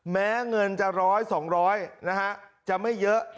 แม้เงินจะร้อยสองร้อยนะฮะจะไม่เยอะ